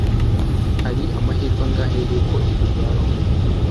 Hari amahirwe angahe ko ibyo byabaho